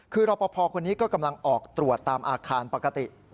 คือรอปภคนนี้ก็กำลังออกตรวจตามอาคารปกติ